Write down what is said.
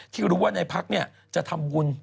ที่รู้ว่านายพรรคเนี่ยจะทำวุญ